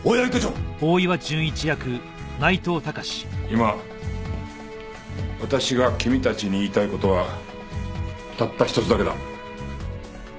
今私が君たちに言いたい事はたった１つだけだ。